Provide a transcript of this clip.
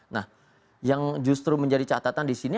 nah yang justru menjadi catatan disini